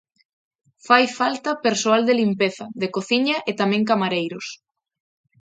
Fai falta persoal de limpeza, de cociña e tamén camareiros.